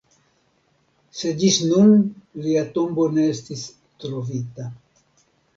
Sed ĝis nun lia tombo ne estis trovita.